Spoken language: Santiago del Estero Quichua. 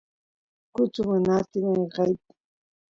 kuchu mana atin ayqeyt